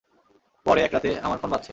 পরে, এক রাতে আমার ফোন বাজছে।